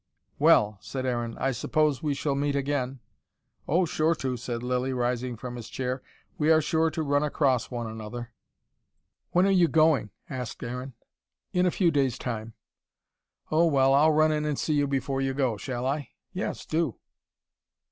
"Well," said Aaron. "I suppose we shall meet again." "Oh, sure to," said Lilly, rising from his chair. "We are sure to run across one another." "When are you going?" asked Aaron. "In a few days' time." "Oh, well, I'll run in and see you before you go, shall I?" "Yes, do."